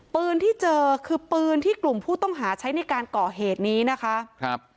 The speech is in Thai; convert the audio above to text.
ปืนที่เจอคือปืนที่กลุ่มผู้ต้องหาใช้ในการก่อเหตุนี้นะคะครับ